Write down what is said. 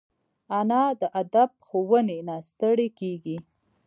انا د ادب ښوونې نه ستړي کېږي